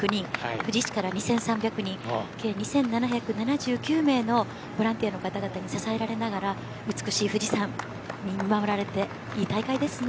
富士市から２３００人計２７７９人のボランティアの方々に支えられながら美しい富士山に見守られていい大会ですね。